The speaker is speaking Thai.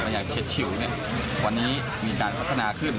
อย่างเคสชิลวันนี้มีการพัฒนาขึ้น